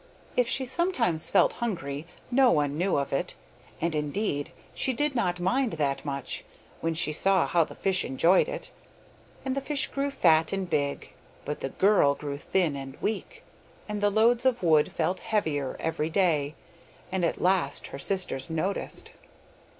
If she sometimes felt hungry, no one knew of it, and, indeed, she did not mind that much, when she saw how the fish enjoyed it. And the fish grew fat and big, but the girl grew thin and weak, and the loads of wood felt heavier every day, and at last her sisters noticed it.